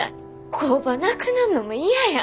工場なくなんのも嫌や。